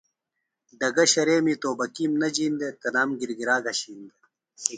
ڈگہ، شریمی توبکِیم نہ جِین دےۡ تنام گِرگِرا گھشِین دےۡ۔